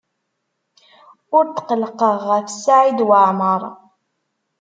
Ur tqellqeɣ ɣef Saɛid Waɛmaṛ.